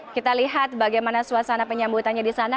kita lihat bagaimana suasana penyambutannya di sana